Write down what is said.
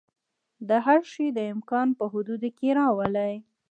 دا هر شی د امکان په حدودو کې راولي.